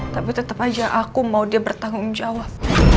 tapi tetap aja aku mau dia bertanggung jawab